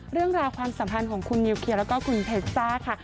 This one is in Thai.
ความสัมพันธ์ของคุณนิวเคลียร์แล้วก็คุณเพชจ้าค่ะ